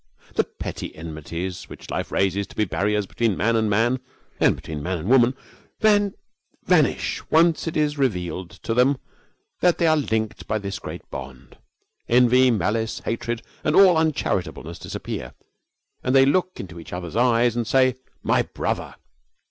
The petty enmities which life raises to be barriers between man and man and between man and woman vanish once it is revealed to them that they are linked by this great bond. Envy, malice, hatred, and all uncharitableness disappear, and they look into each other's eyes and say 'My brother!'